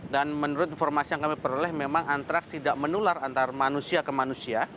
dan menurut informasi yang kami peroleh memang antraks tidak menular antara manusia ke manusia